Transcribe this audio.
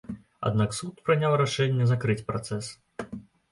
Аднак суд прыняў рашэнне закрыць працэс.